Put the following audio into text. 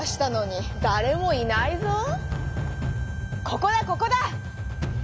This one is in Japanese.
「ここだここだ！